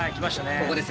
ここですね。